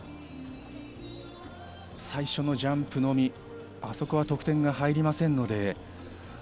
最初のジャンプのみあそこは得点が入りませんので。